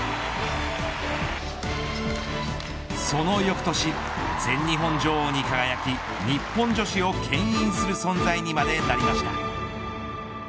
その翌年全日本女王に輝き日本女子をけん引する存在にまでなりました。